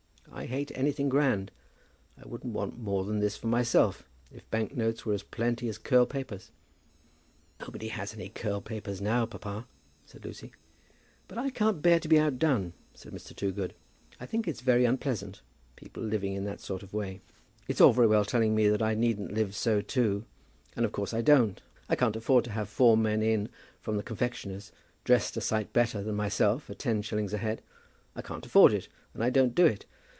I hate anything grand. I wouldn't want more than this for myself, if bank notes were as plenty as curl papers." "Nobody has any curl papers now, papa," said Lucy. "But I can't bear to be outdone," said Mr. Toogood. "I think it's very unpleasant, people living in that sort of way. It's all very well telling me that I needn't live so too; and of course I don't. I can't afford to have four men in from the confectioner's, dressed a sight better than myself, at ten shillings a head. I can't afford it, and I don't do it.